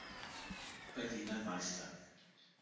Berliner Meister.